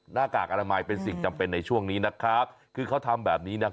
หน้ากากอนามัยเป็นสิ่งจำเป็นในช่วงนี้นะครับคือเขาทำแบบนี้นะครับ